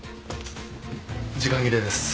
時間切れです。